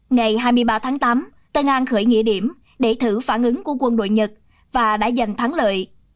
ngày hai mươi ba tháng tám tân an khởi nghĩa điểm để thử phản ứng của quân đội nhật và đã giành thắng lợi